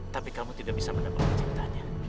tapi kamu tidak bisa mendapatkan cintanya